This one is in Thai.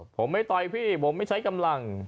ผมไม่ต่อยพี่ผมไม่ใช้กำลัง